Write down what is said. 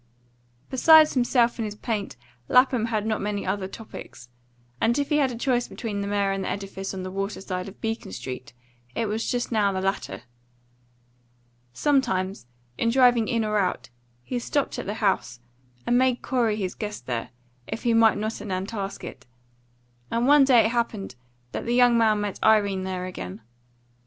Besides himself and his paint Lapham had not many other topics; and if he had a choice between the mare and the edifice on the water side of Beacon Street, it was just now the latter. Sometimes, in driving in or out, he stopped at the house, and made Corey his guest there, if he might not at Nantasket; and one day it happened that the young man met Irene there again.